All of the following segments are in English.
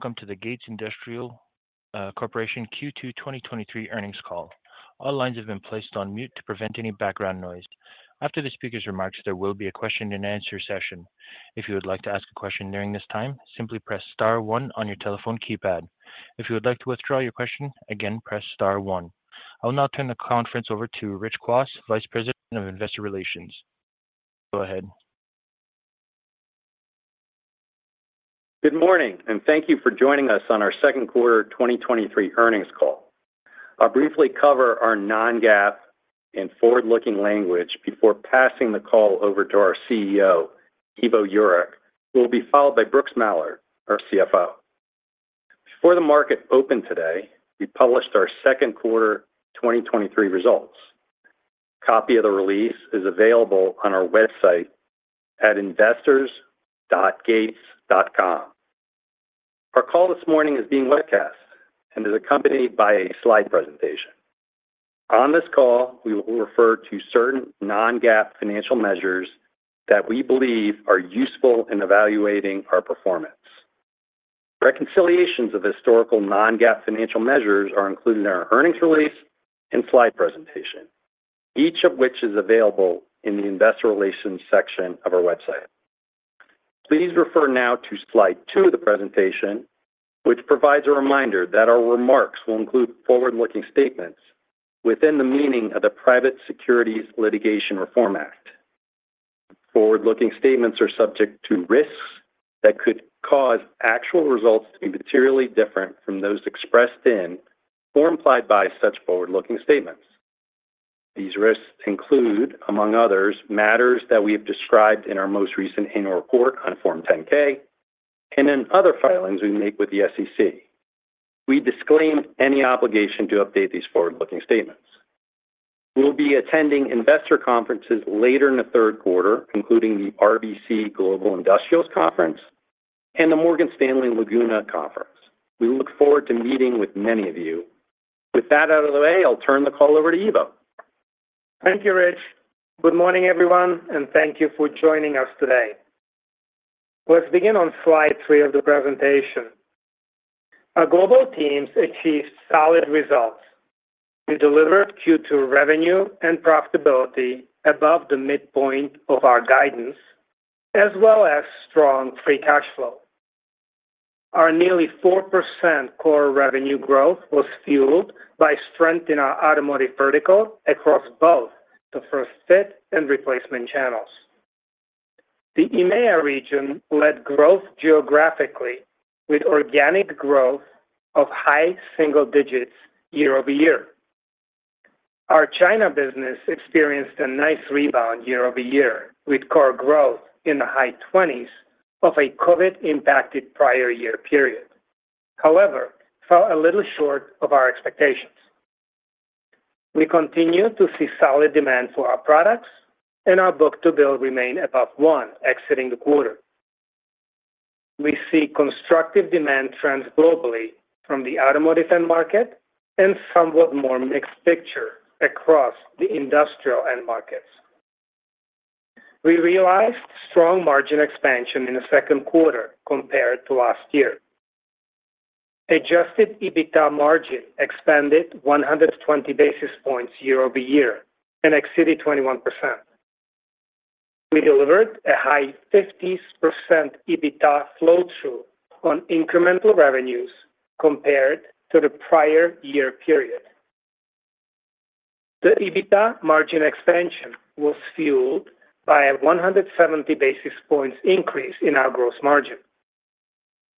Hello, and welcome to the Gates Industrial Corporation Q2 2023 earnings call. All lines have been placed on mute to prevent any background noise. After the speaker's remarks, there will be a question-and-answer session. If you would like to ask a question during this time, simply press star one on your telephone keypad. If you would like to withdraw your question, again, press star one. I will now turn the conference over to Rich Kwas, Vice President of Investor Relations. Go ahead. Good morning, thank you for joining us on our second quarter 2023 earnings call. I'll briefly cover our non-GAAP and forward-looking language before passing the call over to our CEO, Ivo Jurek, who will be followed by Brooks Mallard, our CFO. Before the market opened today, we published our second quarter 2023 results. A copy of the release is available on our website at investors.gates.com. Our call this morning is being webcast and is accompanied by a slide presentation. On this call, we will refer to certain non-GAAP financial measures that we believe are useful in evaluating our performance. Reconciliations of historical non-GAAP financial measures are included in our earnings release and slide presentation, each of which is available in the Investor Relations section of our website. Please refer now to slide two of the presentation, which provides a reminder that our remarks will include forward-looking statements within the meaning of the Private Securities Litigation Reform Act. Forward-looking statements are subject to risks that could cause actual results to be materially different from those expressed in or implied by such forward-looking statements. These risks include, among others, matters that we have described in our most recent annual report on Form 10-K and in other filings we make with the SEC. We disclaim any obligation to update these forward-looking statements. We'll be attending investor conferences later in the third quarter, including the RBC Global Industrials Conference and the Morgan Stanley Laguna Conference. We look forward to meeting with many of you. With that out of the way, I'll turn the call over to Ivo. Thank you, Rich. Good morning, everyone, thank you for joining us today. Let's begin on slide three of the presentation. Our global teams achieved solid results. We delivered Q2 revenue and profitability above the midpoint of our guidance, as well as strong free cash flow. Our nearly four % core revenue growth was fueled by strength in our automotive vertical across both the first fit and replacement channels. The EMEA region led growth geographically with organic growth of high single digits year-over-year. Our China business experienced a nice rebound year-over-year, with core growth in the high 20s of a COVID-impacted prior year period. However, fell a little short of our expectations. We continue to see solid demand for our products and our book-to-bill remain above one, exiting the quarter. We see constructive demand trends globally from the automotive end market and somewhat more mixed picture across the industrial end markets. We realized strong margin expansion in the second quarter compared to last year. Adjusted EBITDA margin expanded 120 basis points year-over-year and exceeded 21%. We delivered a high 50% EBITDA flow-through on incremental revenues compared to the prior year period. The EBITDA margin expansion was fueled by a 170 basis points increase in our gross margin.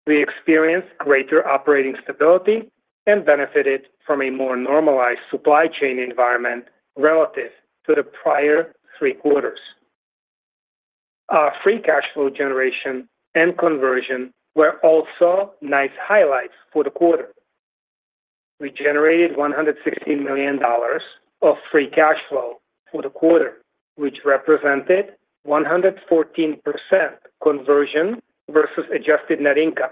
We experienced greater operating stability and benefited from a more normalized supply chain environment relative to the prior three quarters. Our free cash flow generation and conversion were also nice highlights for the quarter. We generated $116 million of free cash flow for the quarter, which represented 114% conversion versus adjusted net income,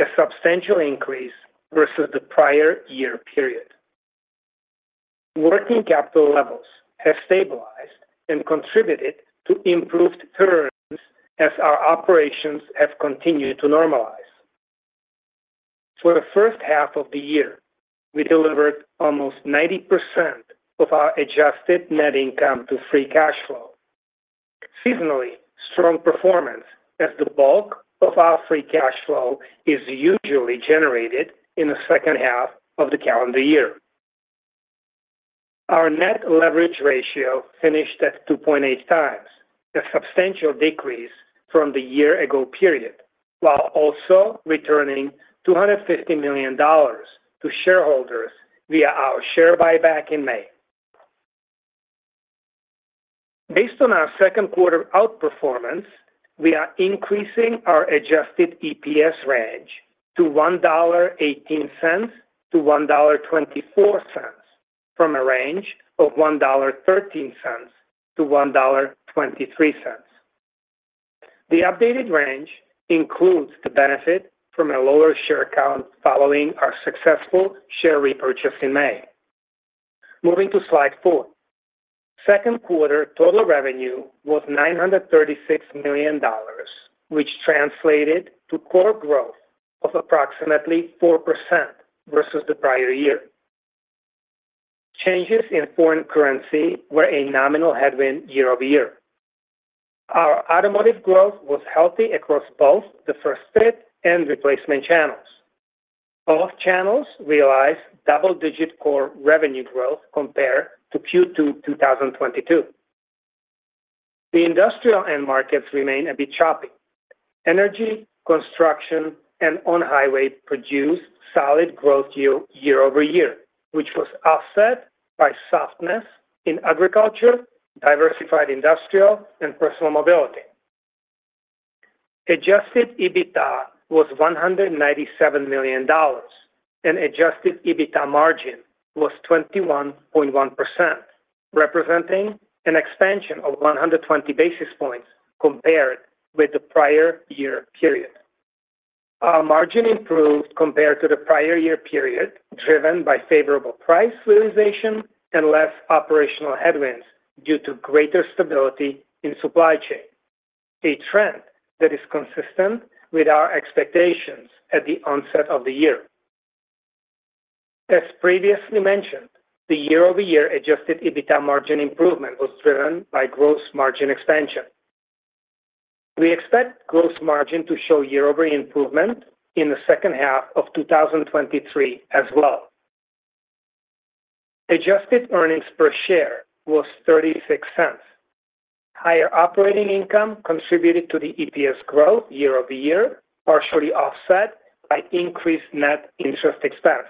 a substantial increase versus the prior year period. Working capital levels have stabilized and contributed to improved returns as our operations have continued to normalize. For the first half of the year, we delivered almost 90% of our adjusted net income to free cash flow. Seasonally, strong performance as the bulk of our free cash flow is usually generated in the second half of the calendar year. Our net leverage ratio finished at 2.8x, a substantial decrease from the year ago period, while also returning $250 million to shareholders via our share buyback in May. Based on our second quarter outperformance, we are increasing our adjusted EPS range to $1.18-$1.24, from a range of $1.13-$1.23. The updated range includes the benefit from a lower share count following our successful share repurchase in May. Moving to slide four. Second quarter total revenue was $936 million, which translated to core growth of approximately 4% versus the prior year. Changes in foreign currency were a nominal headwind year-over-year. Our automotive growth was healthy across both the first fit and replacement channels. Both channels realized double-digit core revenue growth compared to Q2, 2022. The industrial end markets remain a bit choppy. Energy, construction, and on-highway produced solid growth year-over-year, which was offset by softness in Agriculture, Diversified Industrial, and Personal Mobility. Adjusted EBITDA was $197 million, and adjusted EBITDA margin was 21.1%, representing an expansion of 120 basis points compared with the prior year period. Our margin improved compared to the prior year period, driven by favorable price realization and less operational headwinds due to greater stability in supply chain, a trend that is consistent with our expectations at the onset of the year. As previously mentioned, the year-over-year adjusted EBITDA margin improvement was driven by gross margin expansion. We expect gross margin to show year-over-year improvement in the second half of 2023 as well. Adjusted earnings per share was $0.36. Higher operating income contributed to the EPS growth year-over-year, partially offset by increased net interest expense.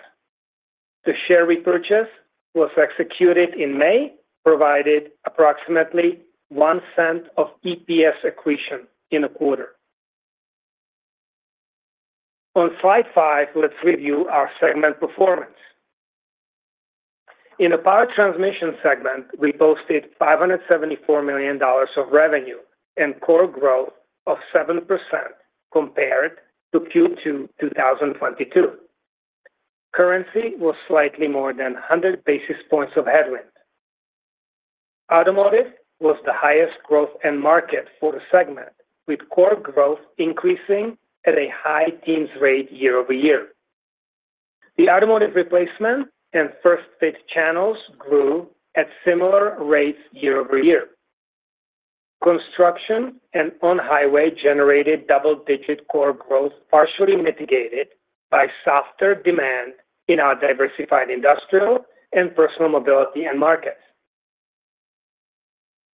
The share repurchase was executed in May, provided approximately $0.01 of EPS accretion in the quarter. On slide five, let's review our segment performance. In the Power Transmission segment, we posted $574 million of revenue and core growth of 7% compared to Q2 2022. Currency was slightly more than 100 basis points of headwind. Automotive was the highest growth end market for the segment, with core growth increasing at a high teens rate year-over-year. The automotive replacement and first fit channels grew at similar rates year-over-year. Construction and on-highway generated double-digit core growth, partially mitigated by softer demand in our diversified industrial and Personal Mobility end markets.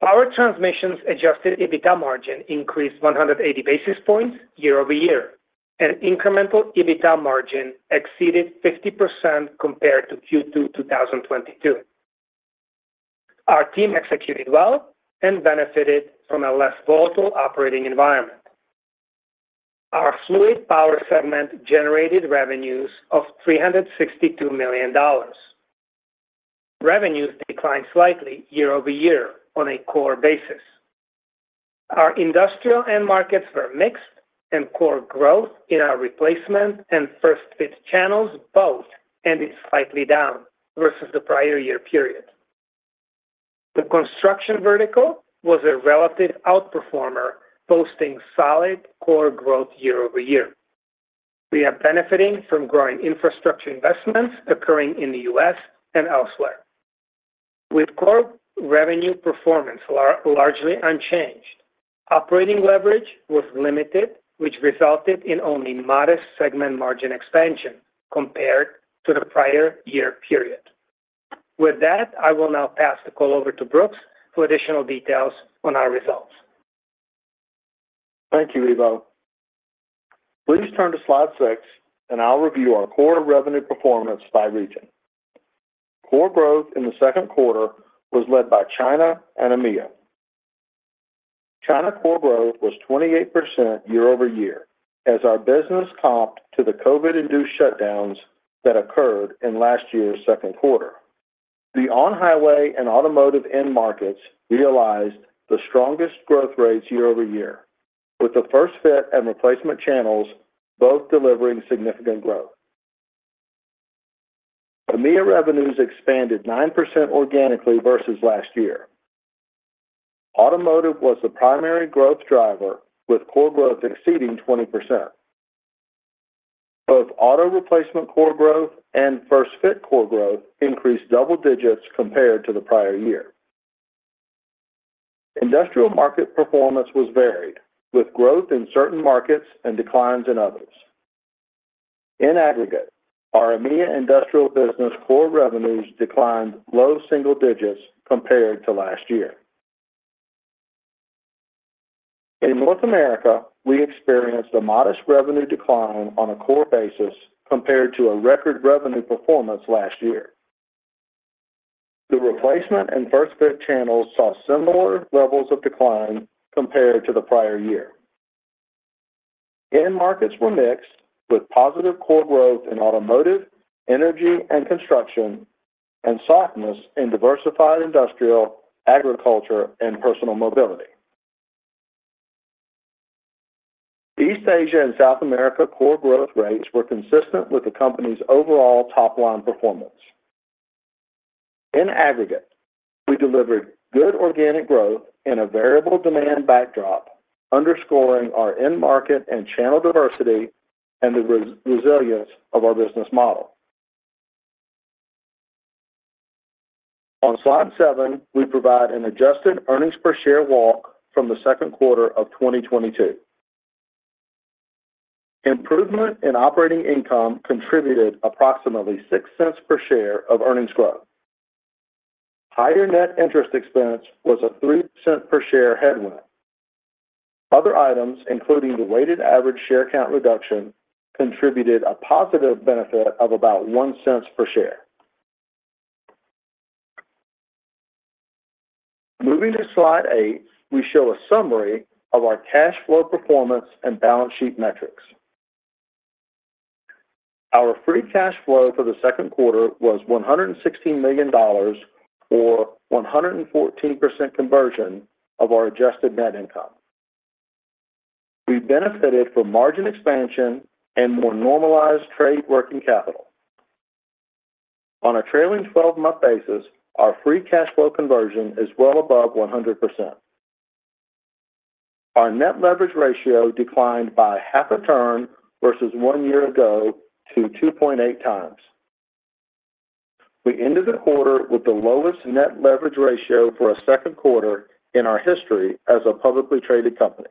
Power Transmission adjusted EBITDA margin increased 180 basis points year-over-year. Incremental EBITDA margin exceeded 50% compared to Q2 2022. Our team executed well and benefited from a less volatile operating environment. Our Fluid Power segment generated revenues of $362 million. Revenues declined slightly year-over-year on a core basis. Our industrial end markets were mixed. Core growth in our replacement and first fit channels both ended slightly down versus the prior-year period. The construction vertical was a relative outperformer, posting solid core growth year-over-year. We are benefiting from growing infrastructure investments occurring in the U.S. and elsewhere. With core revenue performance largely unchanged, operating leverage was limited, which resulted in only modest segment margin expansion compared to the prior-year period. With that, I will now pass the call over to Brooks for additional details on our results. Thank you, Ivo. Please turn to slide six, I'll review our core revenue performance by region. Core growth in the second quarter was led by China and EMEA. China core growth was 28% year-over-year as our business comped to the COVID-induced shutdowns that occurred in last year's second quarter. The on-highway and automotive end markets realized the strongest growth rates year-over-year, with the first fit and replacement channels both delivering significant growth. EMEA revenues expanded 9% organically versus last year. Automotive was the primary growth driver, with core growth exceeding 20%. Both auto replacement core growth and first fit core growth increased double digits compared to the prior year. Industrial market performance was varied, with growth in certain markets and declines in others. In aggregate, our EMEA industrial business core revenues declined low single digits compared to last year. In North America, we experienced a modest revenue decline on a core basis compared to a record revenue performance last year. The replacement and first fit channels saw similar levels of decline compared to the prior year. End markets were mixed, with positive core growth in automotive, energy and construction, and softness in Diversified Industrial, Agriculture, and Personal Mobility. East Asia and South America core growth rates were consistent with the company's overall top-line performance. In aggregate, we delivered good organic growth in a variable demand backdrop, underscoring our end market and channel diversity and the resilience of our business model. On slide seven, we provide an adjusted earnings per share walk from the second quarter of 2022. Improvement in operating income contributed approximately $0.06 per share of earnings growth. Higher net interest expense was a $0.03 per share headwind. Other items, including the weighted average share count reduction, contributed a positive benefit of about $0.01 per share. Moving to slide eight, we show a summary of our cash flow performance and balance sheet metrics. Our free cash flow for the second quarter was $116 million, or 114% conversion of our adjusted net income. We benefited from margin expansion and more normalized trade working capital. On a trailing 12-month basis, our free cash flow conversion is well above 100%. Our net leverage ratio declined by half a turn versus one year ago to 2.8x. We ended the quarter with the lowest net leverage ratio for a second quarter in our history as a publicly traded company.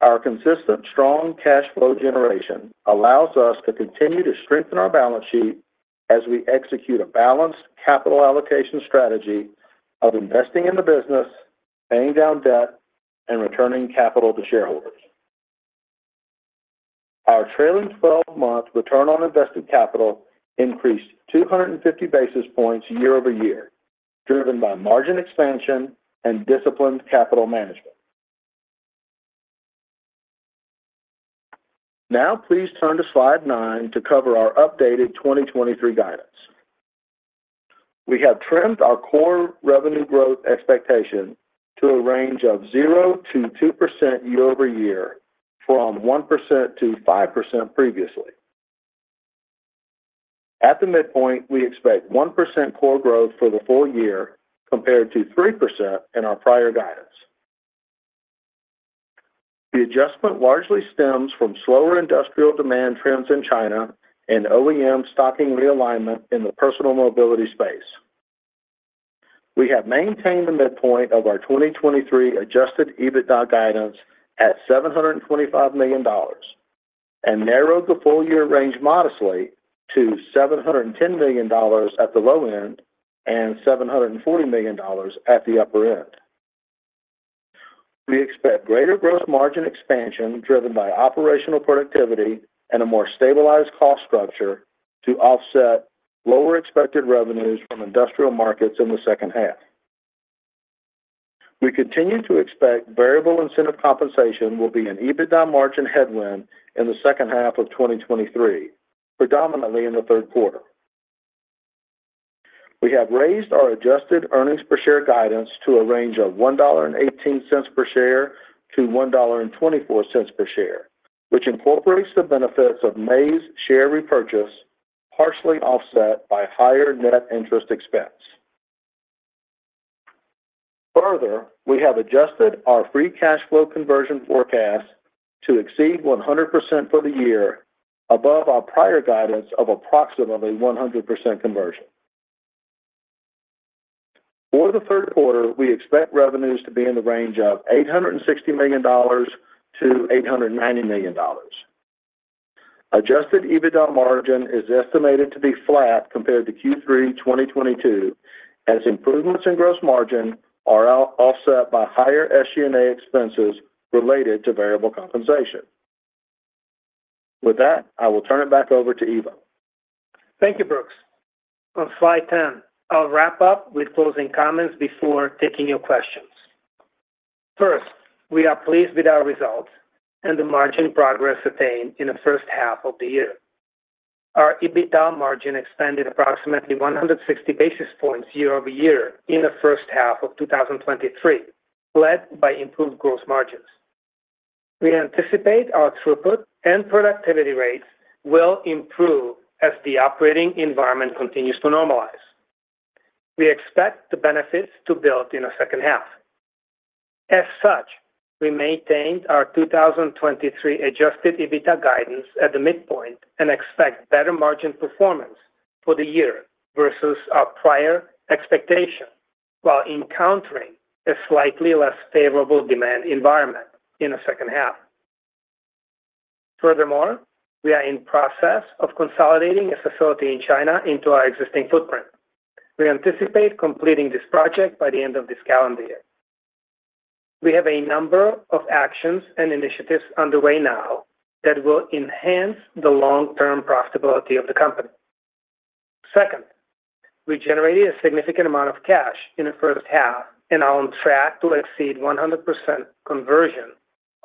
Our consistent, strong cash flow generation allows us to continue to strengthen our balance sheet as we execute a balanced capital allocation strategy of investing in the business, paying down debt, and returning capital to shareholders. Our trailing 12-month return on invested capital increased 250 basis points year-over-year, driven by margin expansion and disciplined capital management. Now please turn to slide 9 to cover our updated 2023 guidance. We have trimmed our core revenue growth expectation to a range of 0%-2% year-over-year, from 1%-5% previously. At the midpoint, we expect 1% core growth for the full year, compared to 3% in our prior guidance. The adjustment largely stems from slower industrial demand trends in China and OEM stocking realignment in the Personal Mobility space. We have maintained the midpoint of our 2023 adjusted EBITDA guidance at $725 million and narrowed the full year range modestly to $710 million at the low end and $740 million at the upper end. We expect greater gross margin expansion, driven by operational productivity and a more stabilized cost structure to offset lower expected revenues from industrial markets in the second half. We continue to expect variable incentive compensation will be an EBITDA margin headwind in the second half of 2023, predominantly in the third quarter. We have raised our adjusted earnings per share guidance to a range of $1.18 per share to $1.24 per share, which incorporates the benefits of May's share repurchase, partially offset by higher net interest expense. We have adjusted our free cash flow conversion forecast to exceed 100% for the year, above our prior guidance of approximately 100% conversion. For the third quarter, we expect revenues to be in the range of $860 million-$890 million. Adjusted EBITDA margin is estimated to be flat compared to Q3 2022, as improvements in gross margin are offset by higher SG&A expenses related to variable compensation. I will turn it back over to Ivo. Thank you, Brooks. On slide 10, I'll wrap up with closing comments before taking your questions. First, we are pleased with our results and the margin progress attained in the first half of the year. Our EBITDA margin expanded approximately 160 basis points year-over-year in the first half of 2023, led by improved gross margins. We anticipate our throughput and productivity rates will improve as the operating environment continues to normalize. We expect the benefits to build in the second half. As such, we maintained our 2023 adjusted EBITDA guidance at the midpoint and expect better margin performance for the year versus our prior expectation, while encountering a slightly less favorable demand environment in the second half. We are in process of consolidating a facility in China into our existing footprint. We anticipate completing this project by the end of this calendar year. We have a number of actions and initiatives underway now that will enhance the long-term profitability of the company. Second, we generated a significant amount of cash in the first half and are on track to exceed 100%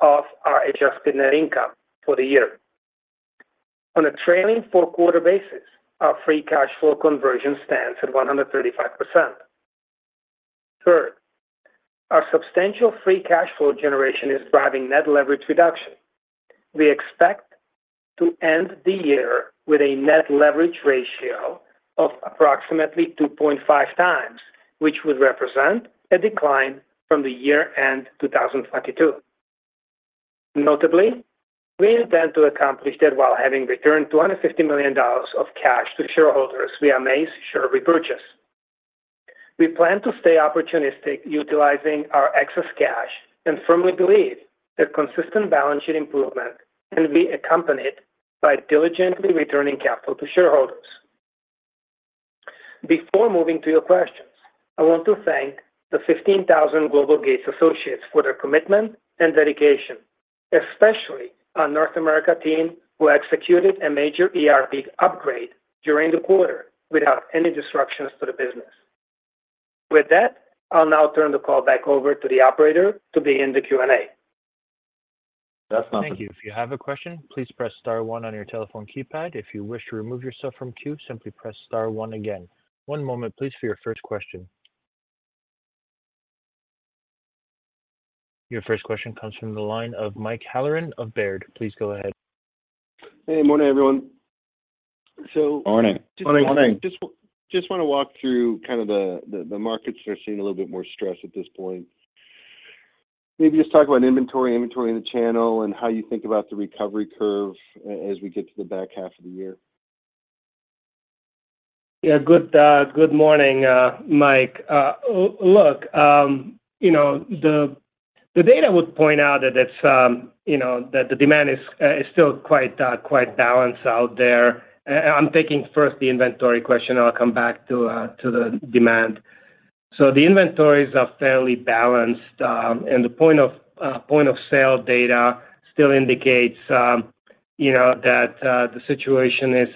conversion of our adjusted net income for the year. On a trailing four-quarter basis, our free cash flow conversion stands at 135%. Third, our substantial free cash flow generation is driving net leverage reduction. We expect to end the year with a net leverage ratio of approximately 2.5x, which would represent a decline from the year-end 2022. Notably, we intend to accomplish that while having returned $250 million of cash to shareholders via May share repurchase. We plan to stay opportunistic, utilizing our excess cash, and firmly believe that consistent balance sheet improvement can be accompanied by diligently returning capital to shareholders. Before moving to your questions, I want to thank the 15,000 Global Gates associates for their commitment and dedication, especially our North America team, who executed a major ERP upgrade during the quarter without any disruptions to the business. With that, I'll now turn the call back over to the operator to begin the Q&A. Thank you. If you have a question, please press star one on your telephone keypad. If you wish to remove yourself from queue, simply press star one again. One moment, please, for your first question. Your first question comes from the line of Mike Halloran of Baird. Please go ahead. Hey, good morning, everyone. Morning. Morning, morning. Just, just wanna walk through kind of the, the, the markets are seeing a little bit more stress at this point, maybe just talk about inventory, inventory in the channel, and how you think about the recovery curve as we get to the back half of the year? Yeah, good, good morning, Mike. Look, you know, the, the data would point out that it's, you know, that the demand is, is still quite, quite balanced out there. I'm taking first the inventory question, and I'll come back to, to the demand. So the inventories are fairly balanced, and the point of, point of sale data still indicates, you know, that, the situation is,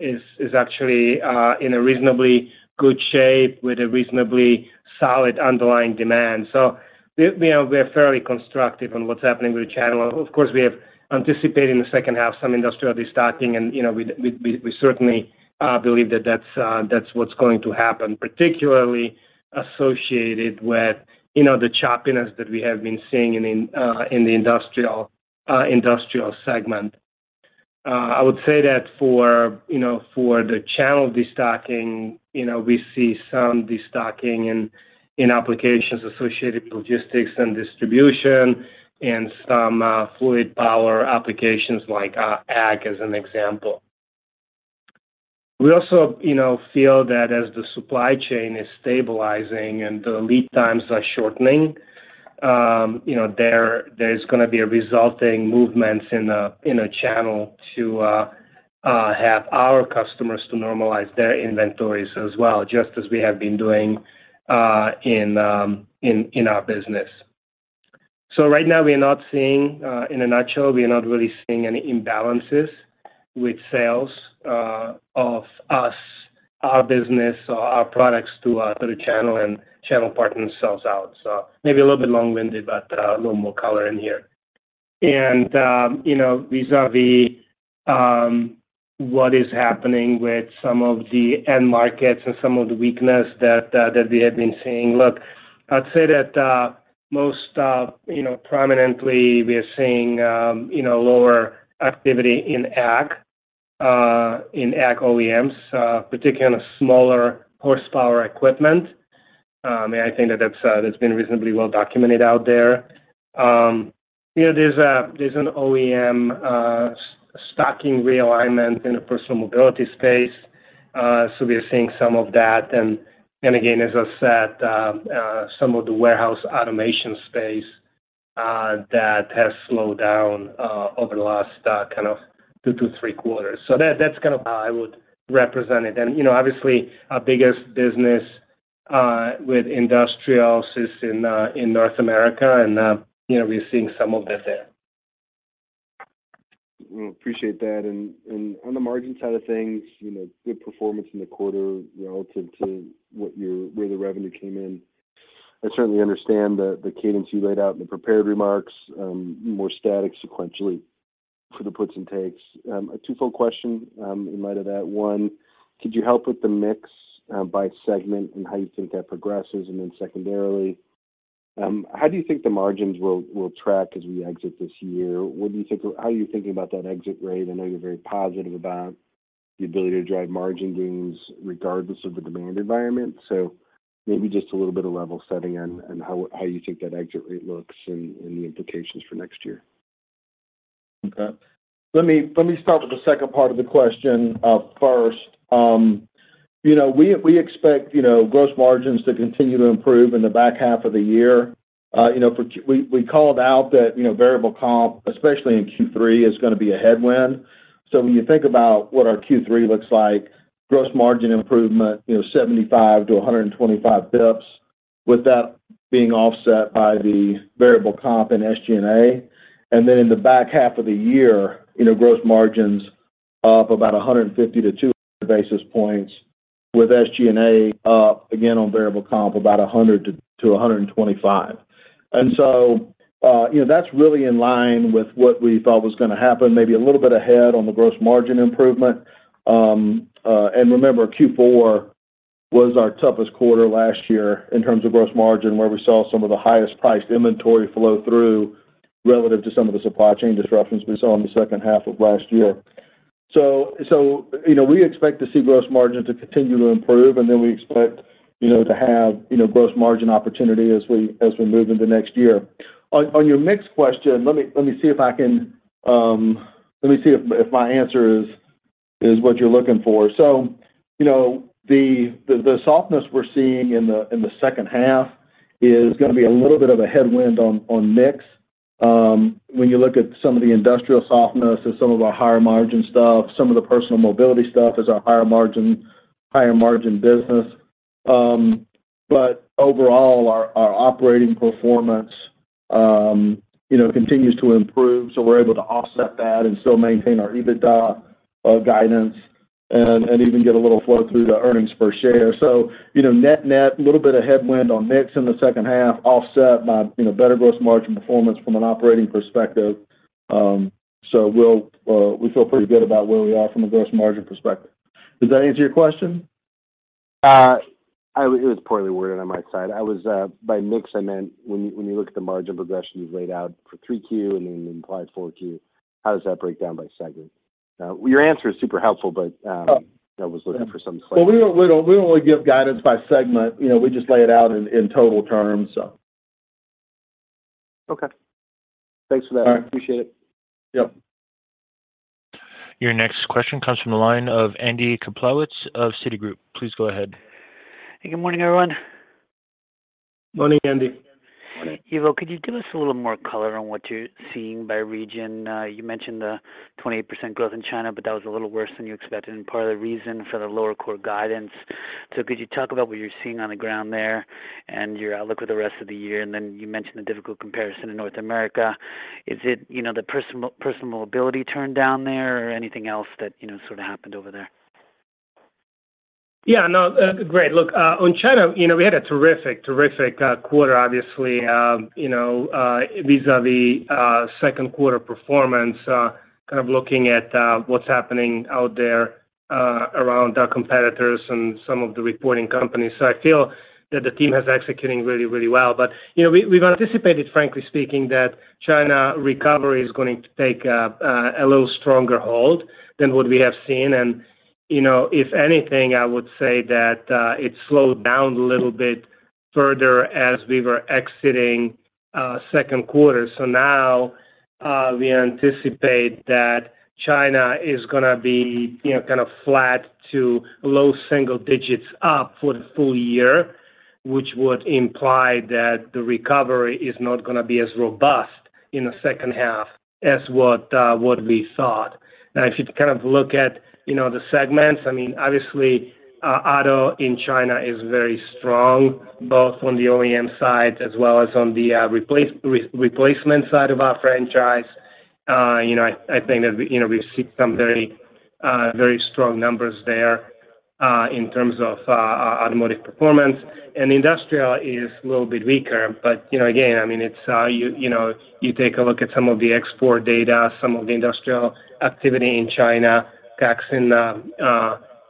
is, is actually, in a reasonably good shape with a reasonably solid underlying demand. So we, you know, we are fairly constructive on what's happening with the channel. Of course, we have anticipated in the second half some industrial destocking, and, you know, we, we, we certainly believe that that's that's what's going to happen, particularly associated with, you know, the choppiness that we have been seeing in the industrial industrial segment. I would say that for, you know, for the channel destocking, you know, we see some destocking in, in applications associated with logistics and distribution and some Fluid Power applications like ag as an example. We also, you know, feel that as the supply chain is stabilizing and the lead times are shortening, you know, there, there's gonna be a resulting movements in a, in a channel to have our customers to normalize their inventories as well, just as we have been doing in in our business. Right now, we are not seeing. In a nutshell, we are not really seeing any imbalances with sales of us, our business, or our products through through the channel and channel partner themselves out. Maybe a little bit long-winded, but a little more color in here. You know, vis-a-vis, what is happening with some of the end markets and some of the weakness that we have been seeing. Look, I'd say that most, you know, prominently, we are seeing, you know, lower activity in ag, in ag OEMs, particularly on a smaller horsepower equipment. And I think that that's that's been reasonably well documented out there. You know, there's a, there's an OEM stocking realignment in the Personal Mobility space, so we are seeing some of that. And again, as I said, some of the warehouse automation space, that has slowed down over the last kind of two to three quarters. That, that's kind of how I would represent it. You know, obviously, our biggest business with industrials is in North America, and, you know, we're seeing some of that there. Well, appreciate that. On the margin side of things, you know, good performance in the quarter relative to where the revenue came in. I certainly understand the cadence you laid out in the prepared remarks, more static sequentially for the puts and takes. A twofold question in light of that. One, could you help with the mix by segment and how you think that progresses? Secondarily, how do you think the margins will track as we exit this year? Or how are you thinking about that exit rate? I know you're very positive about the ability to drive margin gains regardless of the demand environment, so maybe just a little bit of level setting on how you think that exit rate looks and the implications for next year. Okay. Let me, let me start with the second part of the question, first. You know, we, we expect, you know, gross margins to continue to improve in the back half of the year. You know, We, we called out that, you know, variable comp, especially in Q3, is gonna be a headwind. When you think about what our Q3 looks like, gross margin improvement, you know, 75-125 basis points, with that being offset by the variable comp and SG&A. Then in the back half of the year, you know, gross margins up about 150-200 basis points, with SG&A up again on variable comp, about 100-125. You know, that's really in line with what we thought was gonna happen, maybe a little bit ahead on the gross margin improvement. Remember, Q4 was our toughest quarter last year in terms of gross margin, where we saw some of the highest-priced inventory flow through relative to some of the supply chain disruptions we saw in the second half of last year. You know, we expect to see gross margin to continue to improve, and then we expect, you know, to have, you know, gross margin opportunity as we, as we move into next year. On your mixed question, let me, let me see if I can, let me see if my answer is what you're looking for. You know, the, the, the softness we're seeing in the, in the second half is gonna be a little bit of a headwind on, on mix. When you look at some of the industrial softness and some of our higher margin stuff, some of the Personal Mobility stuff is our higher margin, higher margin business. Overall, our, our operating performance, you know, continues to improve, so we're able to offset that and still maintain our EBITDA guidance and, and even get a little flow through to earnings per share. You know, net-net, a little bit of headwind on mix in the second half, offset by, you know, better gross margin performance from an operating perspective. We'll, we feel pretty good about where we are from a gross margin perspective. Does that answer your question? I... It was poorly worded on my side. I was, by mix, I meant when you, when you look at the margin progression you've laid out for 3Q and then implied 4Q, how does that break down by segment? Your answer is super helpful, but. Oh. I was looking for something. Well, we don't, we don't, we only give guidance by segment. You know, we just lay it out in, in total terms, so. Okay. Thanks for that. All right. Appreciate it. Yep. Your next question comes from the line of Andy Kaplowitz of Citigroup. Please go ahead. Good morning, everyone. Morning, Andy. Morning. Ivo, could you give us a little more color on what you're seeing by region? You mentioned the 28% growth in China, but that was a little worse than you expected, and part of the reason for the lower core guidance. Could you talk about what you're seeing on the ground there and your outlook for the rest of the year? Then you mentioned the difficult comparison in North America. Is it, the personal, Personal Mobility turn down there or anything else that, sort of happened over there? Yeah, no, great. Look, on China, you know, we had a terrific, terrific quarter, obviously, you know, vis-à-vis second quarter performance, kind of looking at what's happening out there around our competitors and some of the reporting companies. I feel that the team has executing really, really well. You know, we've anticipated, frankly speaking, that China recovery is going to take a little stronger hold than what we have seen. You know, if anything, I would say that it slowed down a little bit further as we were exiting second quarter. Now, we anticipate that China is gonna be, you know, kind of flat to low single digits up for the full year, which would imply that the recovery is not gonna be as robust in the second half as what, what we thought. Now, if you kind of look at, you know, the segments, I mean, obviously, auto in China is very strong, both on the OEM side as well as on the replacement side of our franchise. You know, I, I think that, you know, we see some very, very strong numbers there, in terms of, automotive performance. Industrial is a little bit weaker, but, you know, again, I mean, it's, you, you know, you take a look at some of the export data, some of the industrial activity in China, tax and,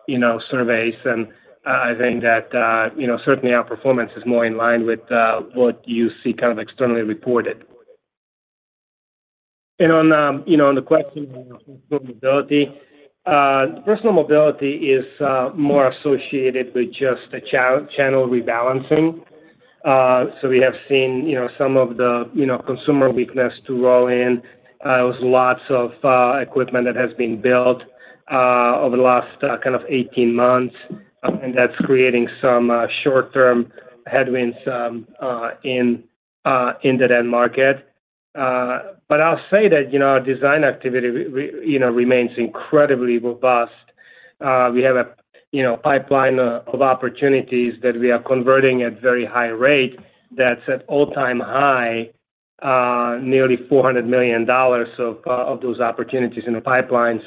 you know, surveys, and, I think that, you know, certainly our performance is more in line with, what you see kind of externally reported. On, you know, on the question on Personal Mobility, Personal Mobility is more associated with just a channel rebalancing. We have seen, you know, some of the, you know, consumer weakness to roll in. There was lots of equipment that has been built over the last kind of 18 months, and that's creating some short-term headwinds in that end market. I'll say that, you know, our design activity remains incredibly robust. We have a, you know, pipeline of opportunities that we are converting at very high rate that's at all-time high, nearly $400 million of those opportunities in the pipeline.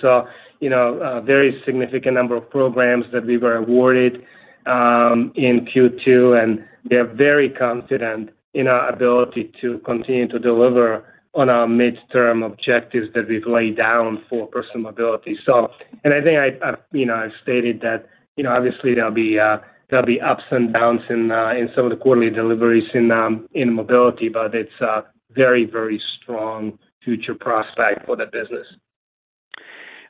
You know, a very significant number of programs that we were awarded in Q2, and we are very confident in our ability to continue to deliver on our midterm objectives that we've laid down for Personal Mobility. I think I, I, you know, I've stated that, you know, obviously, there'll be ups and downs in some of the quarterly deliveries in mobility, but it's a very, very strong future prospect for the business.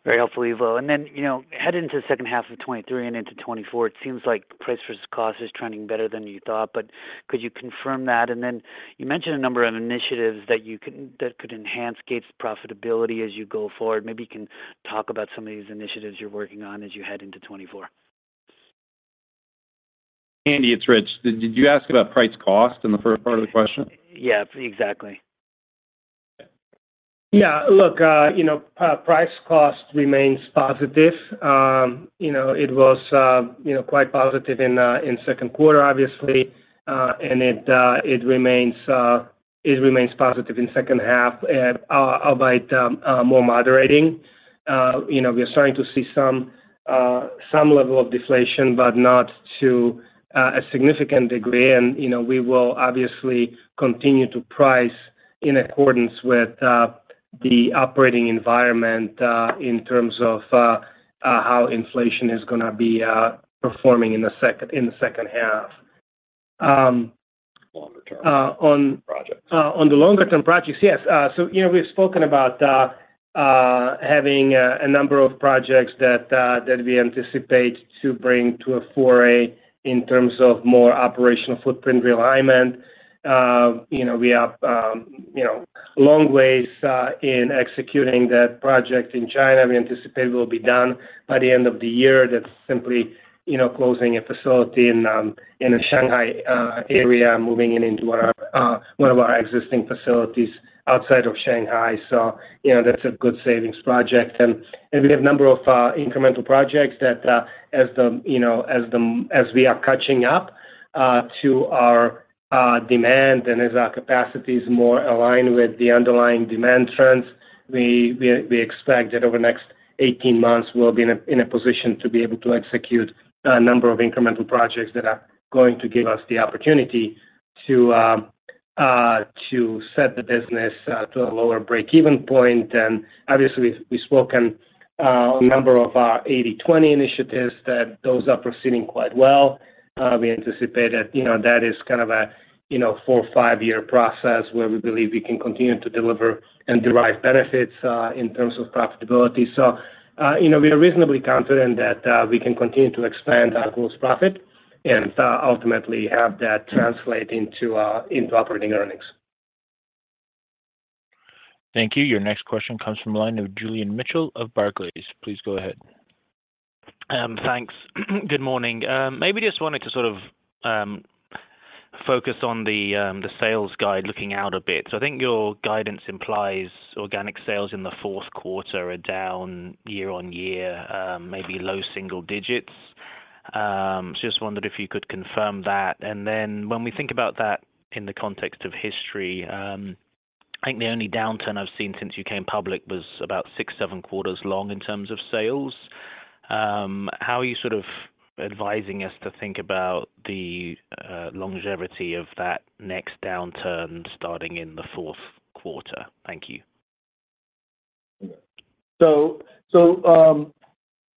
Very helpful, Ivo. You know, heading into the second half of 2023 and into 2024, it seems like price versus cost is trending better than you thought, could you confirm that? You mentioned a number of initiatives that could enhance Gates' profitability as you go forward. Maybe you can talk about some of these initiatives you're working on as you head into 2024. Andy, it's Rich. Did you ask about price cost in the first part of the question? Yeah, exactly. Yeah, look, you know, price cost remains positive. You know, it was, you know, quite positive in second quarter, obviously, and it remains, it remains positive in second half, albeit, more moderating. You know, we are starting to see some, some level of deflation, but not to a significant degree. You know, we will obviously continue to price in accordance with the operating environment, in terms of, how inflation is going to be performing in the second, in the second half. Longer term projects. On the longer term projects, yes. So, you know, we've spoken about having a number of projects that we anticipate to bring to a foray in terms of more operational footprint realignment. You know, long ways in executing that project in China. We anticipate we'll be done by the end of the year. That's simply, you know, closing a facility in in the Shanghai area, moving it into one of our one of our existing facilities outside of Shanghai. So, you know, that's a good savings project. We have a number of incremental projects that, as the, you know, as we are catching up to our demand and as our capacity is more aligned with the underlying demand trends, we, we, we expect that over the next 18 months, we'll be in a position to be able to execute a number of incremental projects that are going to give us the opportunity to set the business to a lower break-even point. Obviously, we've spoken on a number of our 80/20 initiatives, that those are proceeding quite well. We anticipate that, you know, that is kind of a, you know, four or five-year process where we believe we can continue to deliver and derive benefits in terms of profitability.you know, we are reasonably confident that we can continue to expand our gross profit and ultimately have that translate into operating earnings. Thank you. Your next question comes from the line of Julian Mitchell of Barclays. Please go ahead. Thanks. Good morning. Maybe just wanted to sort of focus on the sales guide looking out a bit. I think your guidance implies organic sales in the fourth quarter are down year-on-year, maybe low single digits. Just wondered if you could confirm that. Then when we think about that in the context of history, I think the only downturn I've seen since you came public was about six, seven quarters long in terms of sales. How are you sort of advising us to think about the longevity of that next downturn starting in the fourth quarter? Thank you. So,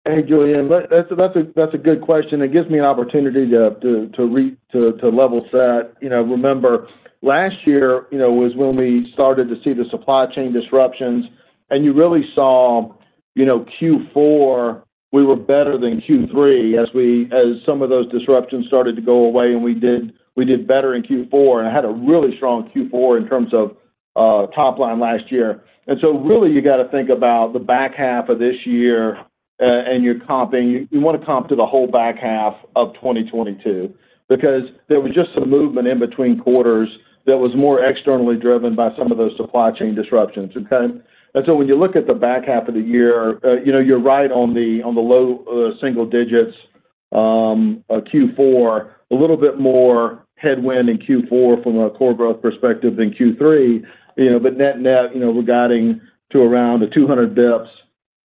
hey, Julian. That's a, that's a, that's a good question. It gives me an opportunity to level set. You know, remember, last year, you know, was when we started to see the supply chain disruptions, and you really saw, you know, Q4, we were better than Q3 as some of those disruptions started to go away and we did, we did better in Q4, and had a really strong Q4 in terms of top line last year. Really, you got to think about the back half of this year, you want to comp to the whole back half of 2022, because there was just some movement in between quarters that was more externally driven by some of those supply chain disruptions. Okay? When you look at the back half of the year, you know, you're right on the low single digits. Q4, a little bit more headwind in Q4 from a core growth perspective than Q3, you know, but net net, you know, we're guiding to around the 200 basis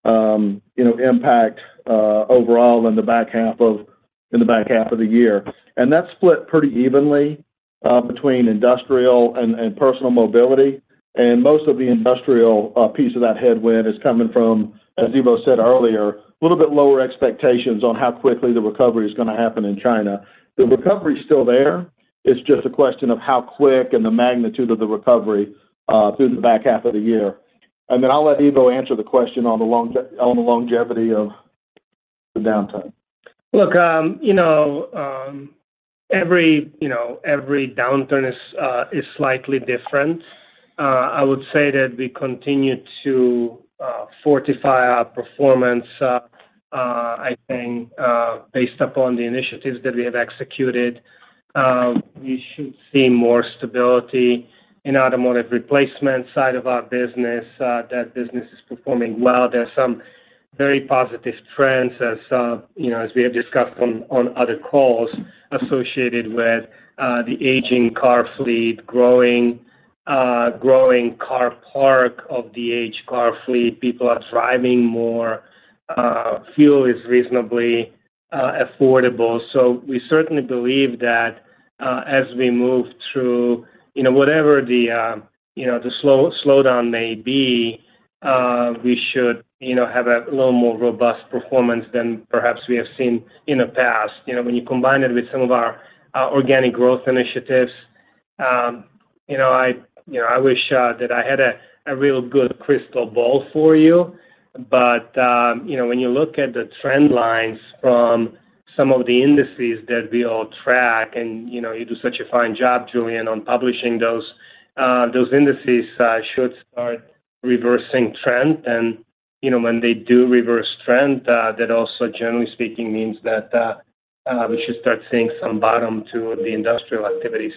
points, you know, impact overall in the back half of-- in the back half of the year. That's split pretty evenly between Industrial and Personal Mobility. Most of the industrial piece of that headwind is coming from, as Ivo said earlier, a little bit lower expectations on how quickly the recovery is going to happen in China. The recovery is still there. It's just a question of how quick and the magnitude of the recovery through the back half of the year. Then I'll let Ivo answer the question on the longevity of the downturn. Look, you know, every, you know, every downturn is slightly different. I would say that we continue to fortify our performance. I think based upon the initiatives that we have executed, we should see more stability in automotive replacement side of our business. That business is performing well. There are some very positive trends as, you know, as we have discussed on, on other calls associated with the aging car fleet, growing, growing car park of the age car fleet. People are driving more, fuel is reasonably affordable. We certainly believe that, as we move through, you know, whatever the, you know, the slow-slowdown may be, we should, you know, have a little more robust performance than perhaps we have seen in the past. You know, when you combine it with some of our organic growth initiatives, you know, I wish that I had a real good crystal ball for you, but, you know, when you look at the trend lines from some of the indices that we all track, and, you know, you do such a fine job, Julian, on publishing those, those indices, should start reversing trend. You know, when they do reverse trend, that also, generally speaking, means that we should start seeing some bottom to the industrial activity.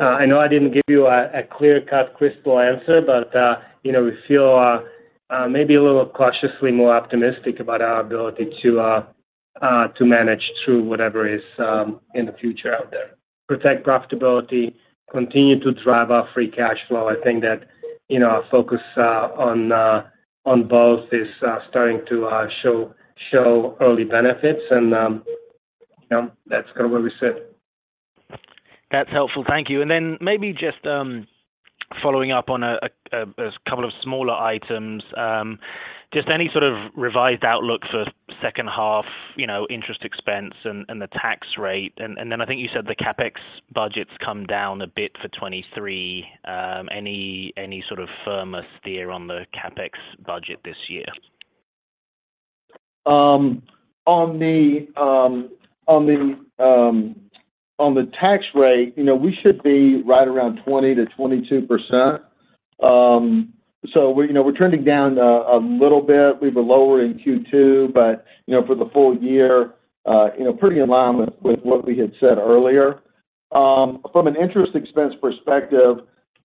I know I didn't give you a clear-cut crystal answer, but, you know, we feel maybe a little cautiously more optimistic about our ability to manage through whatever is in the future out there. Protect profitability, continue to drive our free cash flow. I think that, you know, our focus on on both is starting to show show early benefits and, you know, that's kind of where we sit. That's helpful. Thank you. Then maybe just following up on a couple of smaller items. Just any sort of revised outlook for second half, you know, interest expense and the tax rate? Then I think you said the CapEx budgets come down a bit for 2023. Any sort of firmer steer on the CapEx budget this year? On the, on the, on the tax rate, you know, we should be right around 20%-22%. We're, you know, we're trending down a little bit. We were lower in Q2, but, you know, for the full year, you know, pretty in line with, with what we had said earlier. From an interest expense perspective,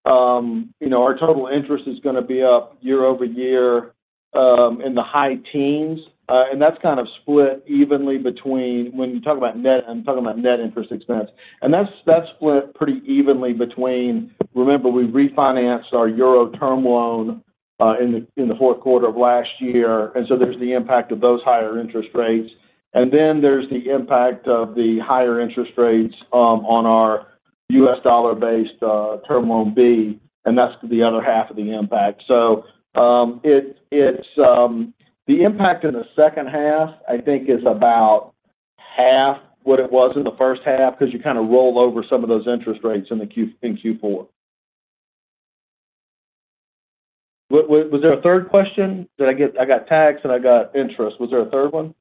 you know, our total interest is gonna be up year-over-year in the high teens. That's kind of split evenly between, when you talk about net, I'm talking about net interest expense, and that's, that's split pretty evenly between. Remember, we refinanced our Euro Term Loan in the fourth quarter of last year, and so there's the impact of those higher interest rates. Then there's the impact of the higher interest rates on our U.S. dollar-based Term Loan B, and that's the other half of the impact. The impact in the second half, I think, is about half what it was in the first half, 'cause you roll over some of those interest rates in Q4. What? Was there a third question? Did I get? I got tax, and I got interest. Was there a third one?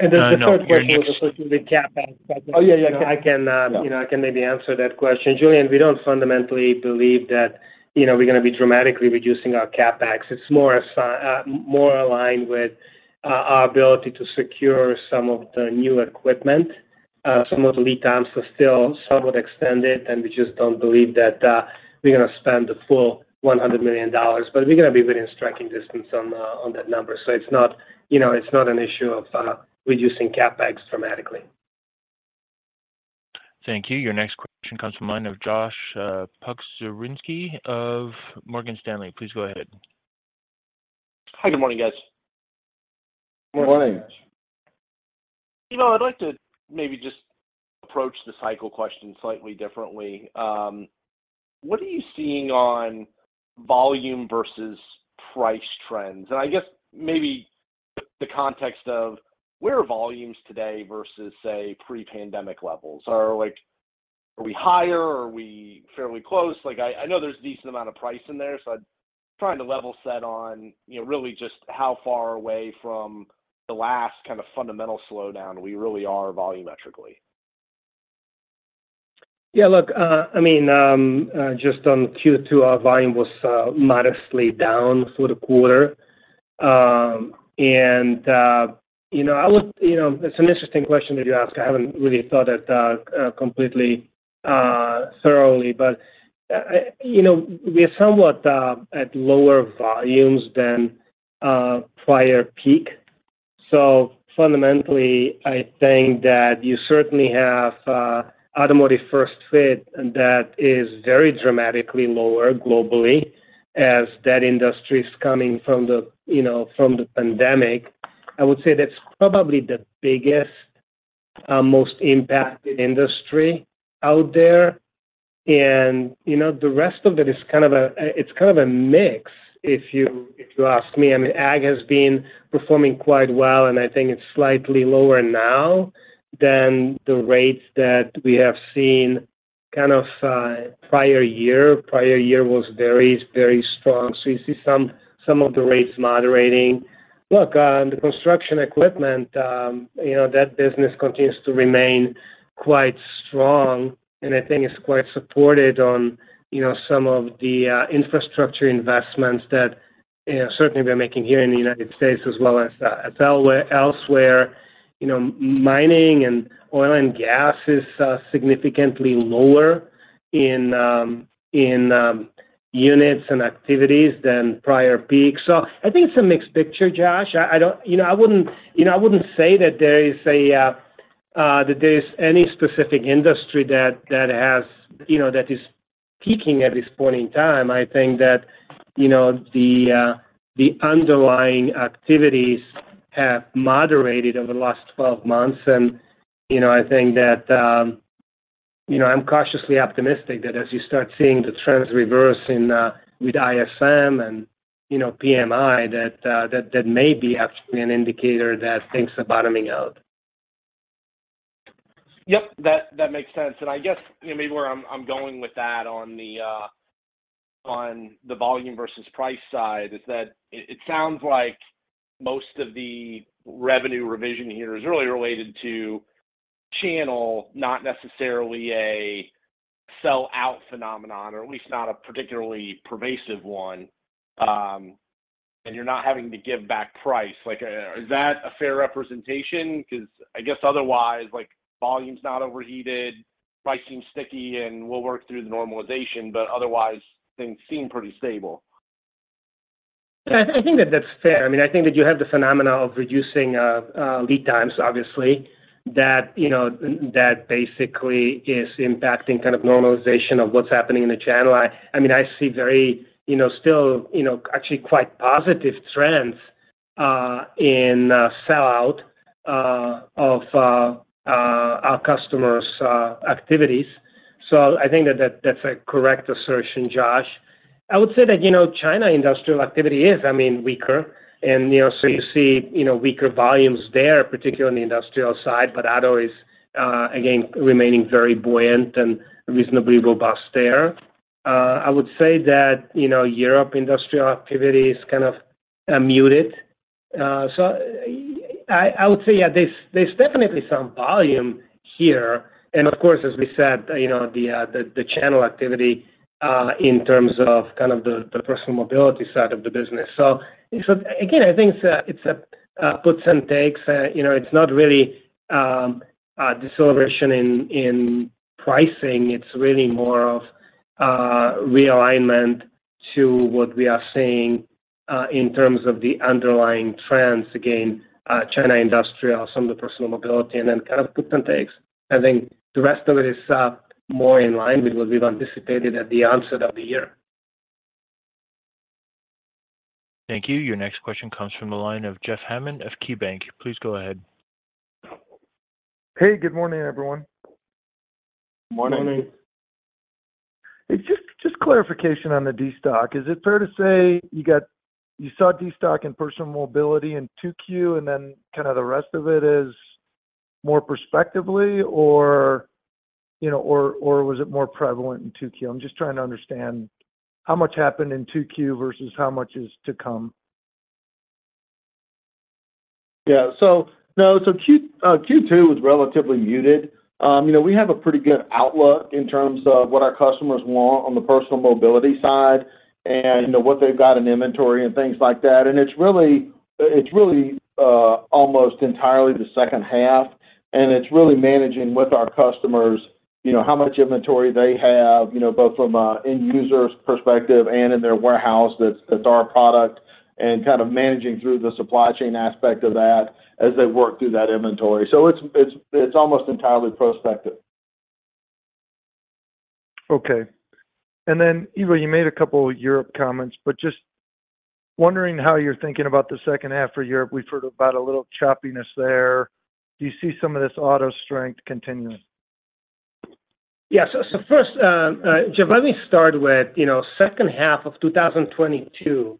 There's a fourth question. No. With the CapEx question. Oh, yeah, yeah. I can, you know, I can maybe answer that question. Julian, we don't fundamentally believe that, you know, we're gonna be dramatically reducing our CapEx. It's more aligned with our ability to secure some of the new equipment. Some of the lead times are still somewhat extended. We just don't believe that, we're gonna spend the full $100 million, but we're gonna be within striking distance on, on that number. It's not, you know, it's not an issue of, reducing CapEx dramatically. Thank you. Your next question comes from the line of Josh Pokrzywinski of Morgan Stanley. Please go ahead. Hi, good morning, guys. Good morning. Good morning. You know, I'd like to maybe just approach the cycle question slightly differently. What are you seeing on volume versus price trends? I guess maybe the context of where are volumes today versus, say, pre-pandemic levels? Like, are we higher, or are we fairly close? Like I, I know there's a decent amount of price in there, so I'm trying to level set on, you know, really just how far away from the last kind of fundamental slowdown we really are volumetrically. Yeah, look, I mean, just on Q2, our volume was modestly down for the quarter. You know, I look... You know, it's an interesting question that you ask. I haven't really thought it completely thoroughly, but, you know, we are somewhat at lower volumes than prior peak. Fundamentally, I think that you certainly have automotive first fit, and that is very dramatically lower globally as that industry is coming from the, you know, from the pandemic. I would say that's probably the biggest, most impacted industry out there. You know, the rest of it is kind of a, it's kind of a mix, if you, if you ask me. I mean, Ag has been performing quite well, and I think it's slightly lower now than the rates that we have seen kind of prior year. Prior year was very, very strong, so you see some, some of the rates moderating. Look, the construction equipment, you know, that business continues to remain quite strong, and I think it's quite supported on, you know, some of the infrastructure investments that certainly we are making here in the United States as well as elsewhere. You know, mining and oil and gas is significantly lower in units and activities than prior peaks. So I think it's a mixed picture, Josh. I, I don't... You know, I wouldn't, you know, I wouldn't say that there is a, that there's any specific industry that, that has, you know, that is peaking at this point in time. I think that, you know, the, the underlying activities have moderated over the last 12 months, and, you know, I think that, you know, I'm cautiously optimistic that as you start seeing the trends reverse in, with ISM and, you know, PMI, that, that, that may be actually an indicator that things are bottoming out. Yep, that, that makes sense. I guess maybe where I'm, I'm going with that on the on the volume versus price side is that it, it sounds like most of the revenue revision here is really related to channel, not necessarily a sell-out phenomenon, or at least not a particularly pervasive one, and you're not having to give back price. Like, is that a fair representation? 'Cause I guess otherwise, like, volume's not overheated, price seems sticky, and we'll work through the normalization, but otherwise, things seem pretty stable. I, I think that that's fair. I mean, I think that you have the phenomena of reducing, lead times, obviously, that, you know, that basically is impacting kind of normalization of what's happening in the channel. I, I mean, I see very, you know, still, you know, actually quite positive trends in, sellout, of, our customers', activities. I think that, that's a correct assertion, Josh. I would say that, you know, China industrial activity is, I mean, weaker, and, you know, so you see, you know, weaker volumes there, particularly on the industrial side. Auto is, again, remaining very buoyant and reasonably robust there. I would say that, you know, Europe industrial activity is kind of, muted. I, I would say, yeah, there's, there's definitely some volume here. Of course, as we said, you know, the, the channel activity in terms of kind of the Personal Mobility side of the business. Again, I think it's a, it's a puts and takes. You know, it's not really deceleration in pricing. It's really more of realignment to what we are seeing in terms of the underlying trends. Again, China industrial, some of the Personal Mobility, and then kind of puts and takes. I think the rest of it is more in line with what we've anticipated at the onset of the year. Thank you. Your next question comes from the line of Jeff Hammond of KeyBanc. Please go ahead. Hey, good morning, everyone. Morning. Morning. Hey, just, just clarification on the destock. Is it fair to say you saw destock in Personal Mobility in Q2, and then kind of the rest of it is more perspectively, or, you know, was it more prevalent in Q2? I'm just trying to understand how much happened in Q2 versus how much is to come. Yeah. No, so Q2 was relatively muted. You know, we have a pretty good outlook in terms of what our customers want on the Personal Mobility side and, you know, what they've got in inventory and things like that. It's really, it's really almost entirely the second half, and it's really managing with our customers, you know, how much inventory they have, you know, both from a end user's perspective and in their warehouse that's, that's our product, and kind of managing through the supply chain aspect of that as they work through that inventory. It's, it's, it's almost entirely prospective. Okay. Then, Ivo, you made a couple of Europe comments. Just wondering how you're thinking about the second half for Europe. We've heard about a little choppiness there. Do you see some of this auto strength continuing? Yeah. So, so first, Jeff, let me start with, you know, second half of 2022,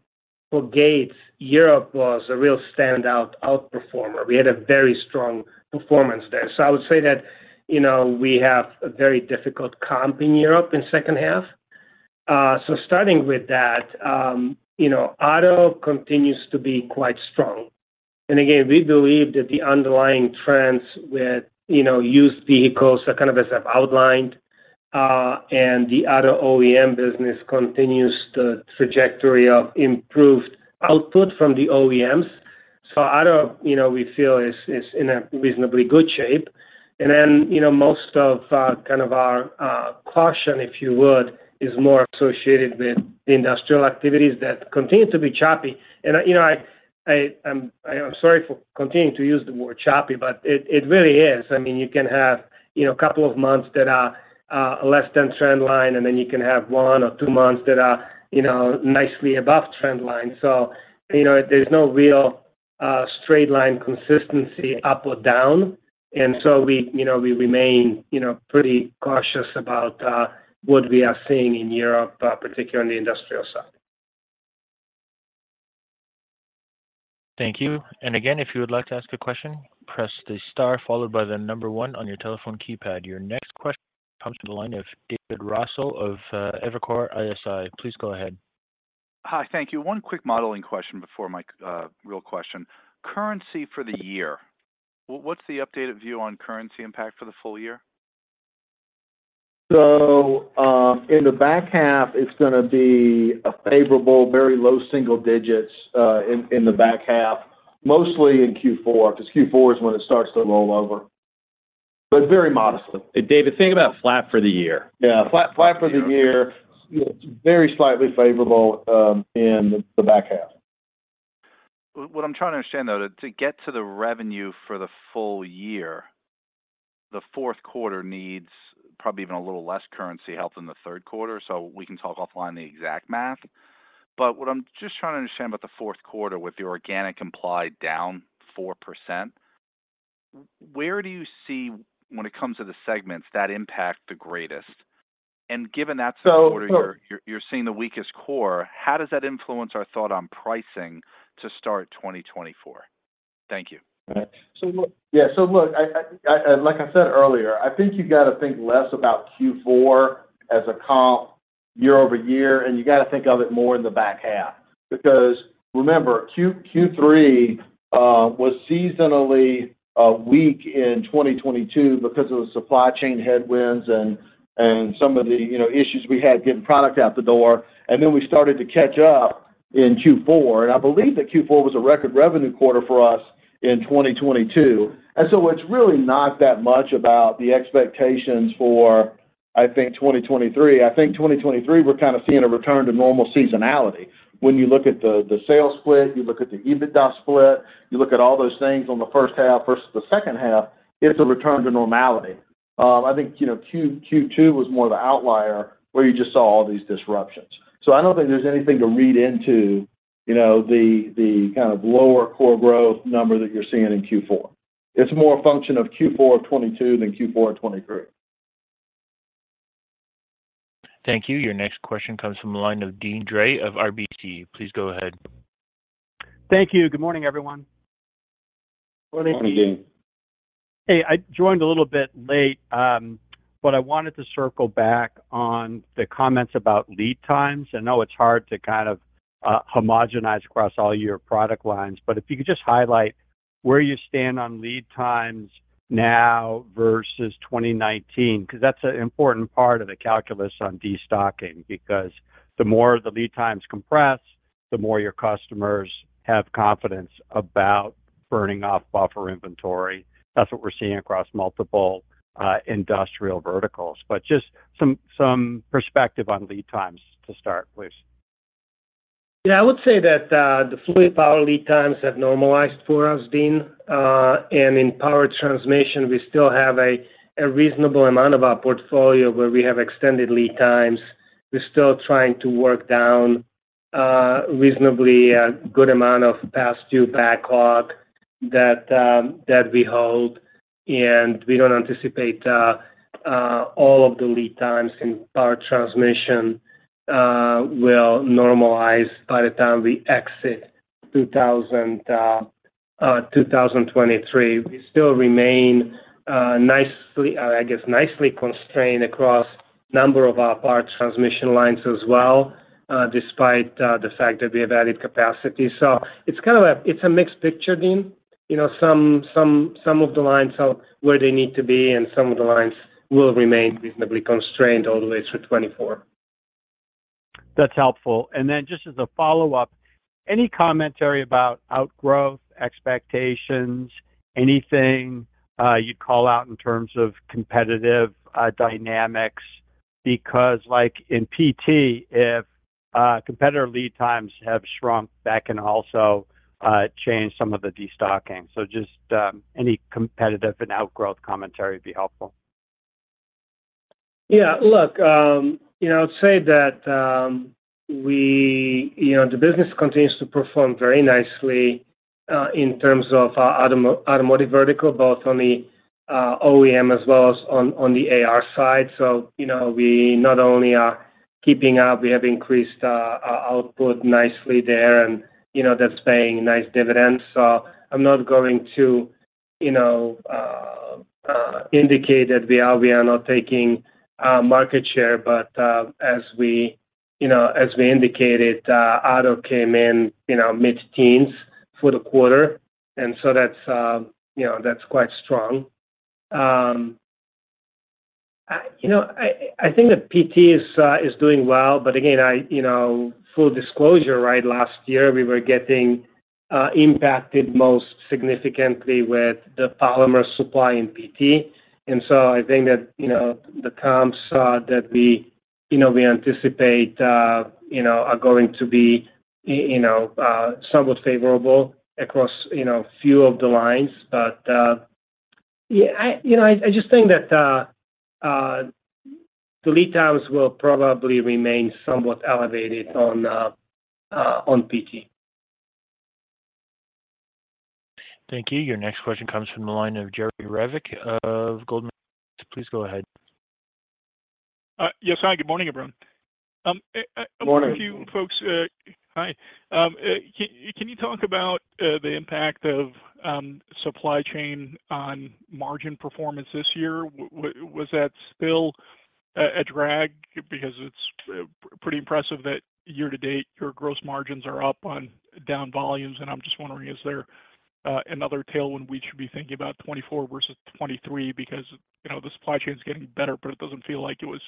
for Gates, Europe was a real standout outperformer. We had a very strong performance there. I would say that, you know, we have a very difficult comp in Europe in second half. Starting with that, you know, auto continues to be quite strong. Again, we believe that the underlying trends with, you know, used vehicles are kind of as I've outlined, and the auto OEM business continues the trajectory of improved output from the OEMs. Auto, you know, we feel is, is in a reasonably good shape. Then, you know, most of, kind of our, caution, if you would, is more associated with the industrial activities that continue to be choppy. You know, I, I, I'm, I'm sorry for continuing to use the word choppy, but it, it really is. I mean, you can have, you know, a couple of months that are less than trend line, and then you can have one or two months that are, you know, nicely above trend line. You know, there's no real straight line consistency up or down. We, you know, we remain, you know, pretty cautious about what we are seeing in Europe, particularly on the industrial side. Thank you. Again, if you would like to ask a question, press the star followed by the number one on your telephone keypad. Your next question comes from the line of David Raso of Evercore ISI. Please go ahead. Hi. Thank you. One quick modeling question before my real question. Currency for the year, what's the updated view on currency impact for the full year? In the back half, it's gonna be a favorable, very low single digits, in the back half, mostly in Q4, because Q4 is when it starts to roll over, but very modestly. David, think about flat for the year. Yeah, flat, flat for the year. Very slightly favorable, in the back half. What I'm trying to understand, though, to, to get to the revenue for the full year, the fourth quarter needs probably even a little less currency help than the third quarter, so we can talk offline the exact math. What I'm just trying to understand about the fourth quarter with the organic implied down 4%, where do you see, when it comes to the segments, that impact the greatest? Given that's the quarter- So- You're seeing the weakest core, how does that influence our thought on pricing to start 2024? Thank you. Like I said earlier, I think you gotta think less about Q4 as a comp year-over-year, and you gotta think of it more in the back half. Remember, Q3 was seasonally weak in 2022 because of the supply chain headwinds and some of the, you know, issues we had getting product out the door. We started to catch up in Q4, and I believe that Q4 was a record revenue quarter for us in 2022. It's really not that much about the expectations for, I think, 2023. I think 2023, we're kind of seeing a return to normal seasonality. When you look at the, the sales split, you look at the EBITDA split, you look at all those things on the first half versus the second half, it's a return to normality. I think, you know, Q2, Q2 was more of an outlier, where you just saw all these disruptions. I don't think there's anything to read into, you know, the, the kind of lower core growth number that you're seeing in Q4. It's more a function of Q4 2022 than Q4 2023. Thank you. Your next question comes from the line of Deane Dray of RBC. Please go ahead. Thank you. Good morning, everyone. Good morning, Deane. Morning. Hey, I joined a little bit late, but I wanted to circle back on the comments about lead times. I know it's hard to kind of homogenize across all your product lines, but if you could just highlight where you stand on lead times now versus 2019. Because that's an important part of the calculus on destocking, because the more the lead times compress, the more your customers have confidence about burning off buffer inventory. That's what we're seeing across multiple industrial verticals. Just some, some perspective on lead times to start, please. Yeah, I would say that the Fluid Power lead times have normalized for us, Deane. In Power Transmission, we still have a reasonable amount of our portfolio where we have extended lead times. We're still trying to work down a reasonably good amount of past due backlog that we hold, and we don't anticipate all of the lead times in Power Transmission will normalize by the time we exit 2023. We still remain nicely, I guess, nicely constrained across a number of our Power Transmission lines as well, despite the fact that we have added capacity. It's kind of a mixed picture, Deane. You know, some, some, some of the lines are where they need to be, and some of the lines will remain reasonably constrained all the way through 2024. That's helpful. Just as a follow-up, any commentary about outgrowth, expectations, anything you'd call out in terms of competitive dynamics? Like in PT, if competitor lead times have shrunk, that can also change some of the destocking. Just any competitive and outgrowth commentary would be helpful. Yeah, look, you know, I'd say that, you know, the business continues to perform very nicely, in terms of our auto, automotive vertical, both on the OEM as well as on, on the AR side. You know, we not only are keeping up, we have increased our output nicely there, and, you know, that's paying nice dividends. I'm not going to, you know, indicate that we are, we are not taking market share. As we, you know, as we indicated, auto came in, you know, mid-teens for the quarter, and that's, you know, that's quite strong. I, you know, I, I think that PT is doing well, but again, I, you know, full disclosure, right? Last year, we were getting impacted most significantly with the polymer supply in PT. I think that, you know, the comps, that we, you know, we anticipate, you know, are going to be, you know, somewhat favorable across, you know, few of the lines. Yeah, I, you know, I, I just think that, the lead times will probably remain somewhat elevated on, on PT. Thank you. Your next question comes from the line of Jerry Revich of Goldman Sachs. Please go ahead. Yes. Hi, good morning, everyone. I, I- Good morning. Wonder if you folks. Hi. Can you talk about the impact of supply chain on margin performance this year? Was that still a drag? It's pretty impressive that year to date, your gross margins are up on down volumes, and I'm just wondering, is there another tailwind we should be thinking about 2024 versus 2023? You know, the supply chain is getting better, but it doesn't feel like it was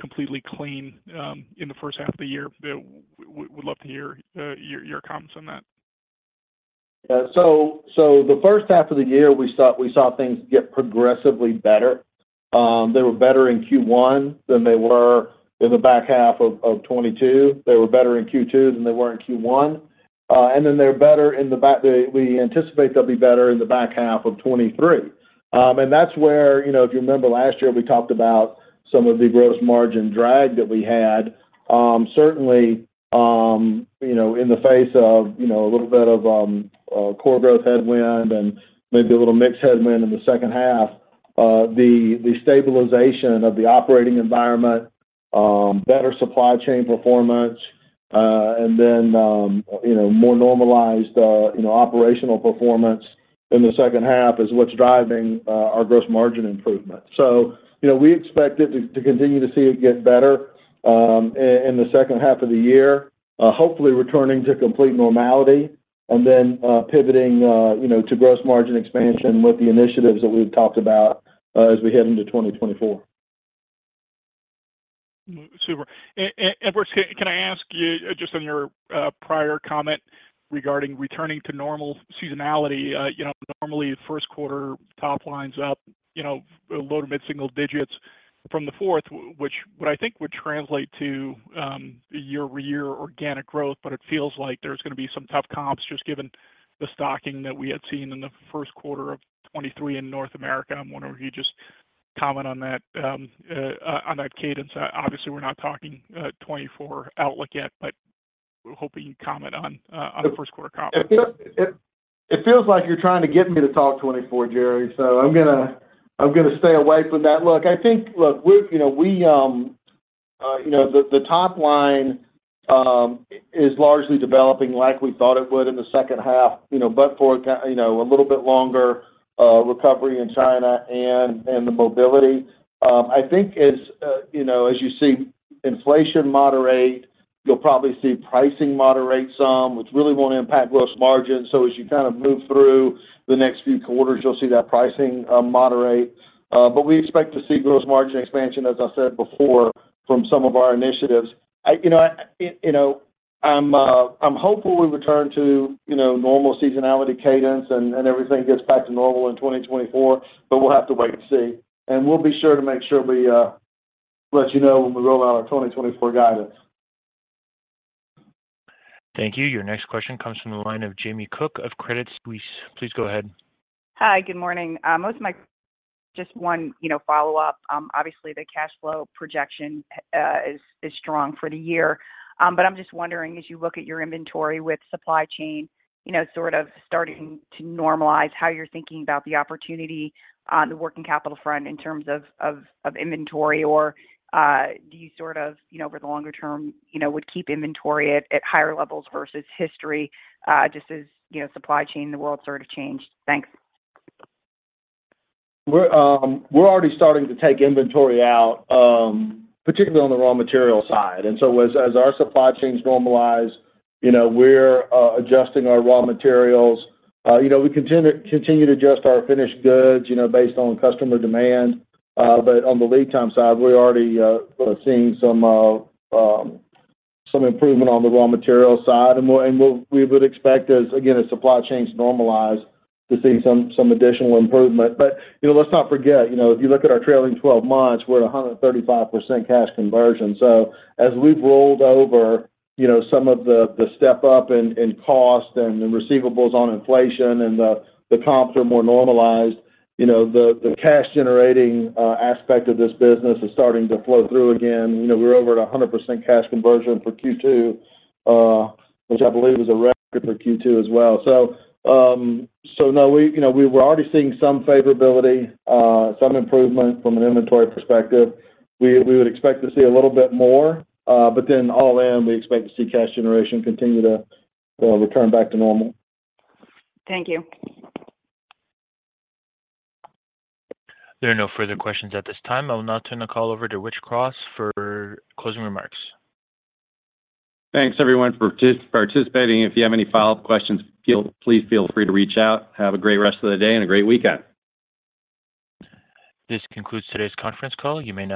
completely clean in the first half of the year. We'd love to hear your comments on that. So the first half of the year, we saw, we saw things get progressively better. They were better in Q1 than they were in the back half of, of 2022. They were better in Q2 than they were in Q1, and then we anticipate they'll be better in the back half of 2023. That's where, you know, if you remember last year, we talked about some of the gross margin drag that we had. know, in the face of, you know, a little bit of core growth headwind and maybe a little mix headwind in the second half, the stabilization of the operating environment, better supply chain performance, and then, you know, more normalized operational performance in the second half is what's driving our gross margin improvement. You know, we expect it to continue to see it get better in the second half of the year, hopefully returning to complete normality and then pivoting, you know, to gross margin expansion with the initiatives that we've talked about as we head into 2024. Super. Edwards, can I ask you, just on your prior comment regarding returning to normal seasonality, you know, normally first quarter top line's up, you know, low to mid single digits, from the fourth, which what I think would translate to year-over-year organic growth, but it feels like there's gonna be some tough comps, just given the stocking that we had seen in the first quarter of 23 in North America. I'm wondering if you just comment on that on that cadence. Obviously, we're not talking 2024 outlook yet, but we're hoping you comment on on the first quarter comp. It, it, it feels like you're trying to get me to talk 2024, Jerry, so I'm gonna, I'm gonna stay away from that. Look, I think, look, we're, you know, we, you know, the top line is largely developing like we thought it would in the second half, you know, but for you know, a little bit longer, recovery in China and the Personal Mobility. I think as, you know, as you see inflation moderate, you'll probably see pricing moderate some, which really won't impact gross margin. As you kind of move through the next few quarters, you'll see that pricing moderate. We expect to see gross margin expansion, as I said before, from some of our initiatives. I, you know, I, you know, I'm hopeful we return to, you know, normal seasonality cadence, and, and everything gets back to normal in 2024, but we'll have to wait and see. We'll be sure to make sure we let you know when we roll out our 2024 guidance. Thank you. Your next question comes from the line of Jamie Cook of Credit Suisse. Please go ahead. Hi, good morning. Just one, you know, follow-up. Obviously, the cash flow projection is strong for the year. I'm just wondering, as you look at your inventory with supply chain, you know, sort of starting to normalize, how you're thinking about the opportunity on the working capital front in terms of, of, of inventory, or do you sort of, you know, over the longer term, you know, would keep inventory at, at higher levels versus history, just as, you know, supply chain in the world sort of changed? Thanks. We're, we're already starting to take inventory out, particularly on the raw material side. As, as our supply chains normalize, you know, we're adjusting our raw materials. You know, we continue, continue to adjust our finished goods, you know, based on customer demand. On the lead time side, we're already seeing some, some improvement on the raw material side. We'll, we would expect as, again, as supply chains normalize, to see some, some additional improvement. You know, let's not forget, you know, if you look at our trailing 12 months, we're at 135% cash conversion. As we've rolled over, you know, some of the, the step-up in, in cost and, and receivables on inflation, and the, the comps are more normalized, you know, the, the cash-generating aspect of this business is starting to flow through again. You know, we're over at 100% cash conversion for Q2, which I believe is a record for Q2 as well. No, we, you know, we were already seeing some favorability, some improvement from an inventory perspective. We, we would expect to see a little bit more, but then all in, we expect to see cash generation continue to return back to normal. Thank you. There are no further questions at this time. I will now turn the call over to Rich Kwas for closing remarks. Thanks, everyone, for participating. If you have any follow-up questions, please feel free to reach out. Have a great rest of the day and a great weekend. This concludes today's conference call. You may disconnect.